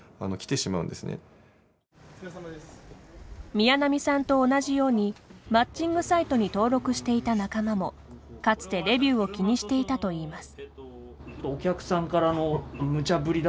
宮南さんと同じようにマッチングサイトに登録していた仲間もかつてレビューを気にしていたといいます。